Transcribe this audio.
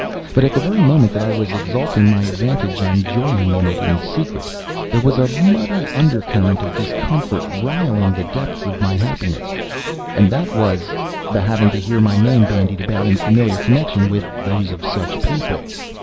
But at the very moment that I was exalting my advantage and joying in it in secret, there was a muddy undercurrent of discomfort "riling" the deeps of my happiness, and that was the having to hear my name bandied about in familiar connection with those of such people.